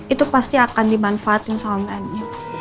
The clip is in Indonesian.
itu pasti akan dimanfaatin sama mbak andin